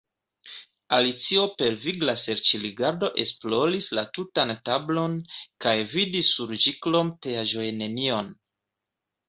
Alicio per vigla serĉrigardo esploris la tutan tablon, kaj vidis sur ĝikrom teaĵojnenion.